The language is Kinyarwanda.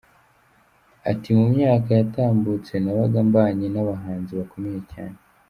Ati “Mu myaka yatambutse nabaga mbanganye n’abahanzi bakomeye cyane.